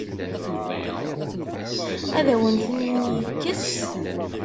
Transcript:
Ad awen-ten-yekkes?